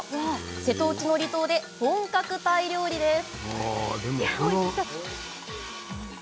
瀬戸内の離島で本格タイ料理です。